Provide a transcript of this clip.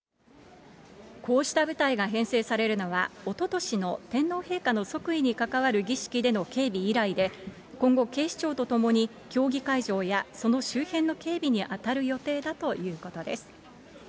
こうした部隊が編成されるのは、おととしの天皇陛下の即位に関わる儀式での警備以来で、今後、警視庁と共に、競技会場やその周辺の警備に当たる予定だということです。